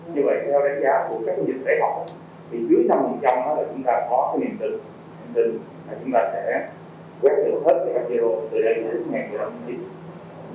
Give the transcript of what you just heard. như vậy theo đánh giá của các trẻ học thì ví dụ trong mình trong là chúng ta có cái niềm tin là chúng ta sẽ quét được hết cái mẫu xét nghiệm vùng đỏ từ đây đến ngày nay là không nhiều